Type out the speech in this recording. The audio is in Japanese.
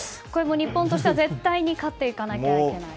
日本としては絶対に勝っていかないといけない。